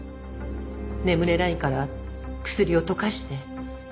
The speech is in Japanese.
眠れないから薬を溶かして。